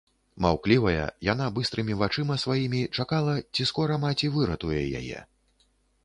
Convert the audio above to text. Маўклівая, яна быстрымі вачыма сваімі чакала, ці скора маці выратуе яе.